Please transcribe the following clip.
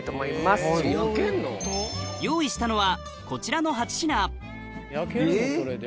用意したのはこちらの８品えっ！